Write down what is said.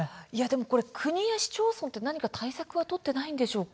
国や市町村は何か対策を取っていないんでしょうか。